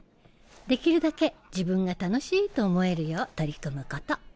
できるだけ自分が楽しいと思えるよう取り組むこと。